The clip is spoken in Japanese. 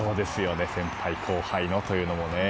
先輩・後輩というのもね。